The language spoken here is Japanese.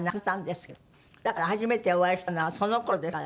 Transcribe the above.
だから初めてお会いしたのはその頃ですから。